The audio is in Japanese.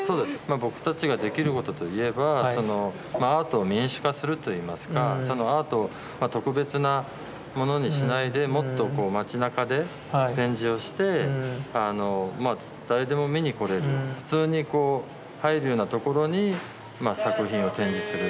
僕たちができることといえばそのアートを民主化するといいますかアートを特別なものにしないでもっと町なかで展示をして誰でも見に来れる普通にこう入るような所に作品を展示する。